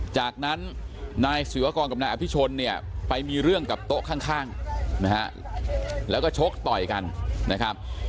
จากนั้นนายศิวากรกับนายอภิชนเนี่ยไปมีเรื่องกับโต๊ะข้างนะฮะแล้วก็ชกต่อยกันนะครับ